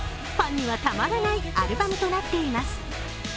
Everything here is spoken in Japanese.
ファンには、たまらないアルバムとなっています。